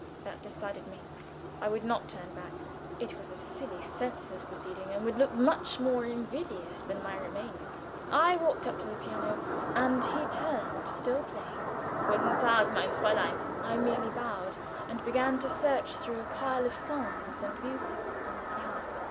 That decided me. I would not turn back. It would be a silly, senseless proceeding, and would look much more invidious than my remaining. I walked up to the piano, and he turned, still playing. "Guten Tag, mein Fräulein." I merely bowed, and began to search through a pile of songs and music upon the piano.